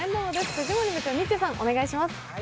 藤森部長、ニッチェさん、お願いします。